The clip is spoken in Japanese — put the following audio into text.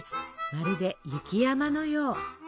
まるで雪山のよう。